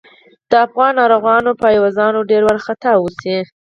د افغان ناروغانو پايوازان ډېر وارخطا اوسي.